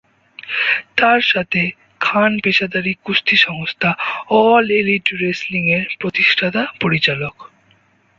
তার সাথে খান পেশাদারি কুস্তি সংস্থা অল এলিট রেসলিং এর প্রতিষ্ঠাতা পরিচালক।